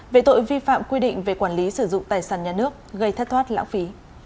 về tội vi phạm quy định về quản lý sử dụng tài sản nhà nước gây thất thoát lãng phí